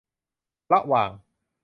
ระหว่าง